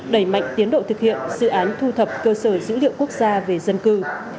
đẩy mạnh tiến độ thực hiện dự án thu thập cơ sở dữ liệu quốc gia về dân cư